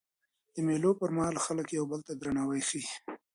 د مېلو پر مهال خلک یو بل ته درناوی ښيي.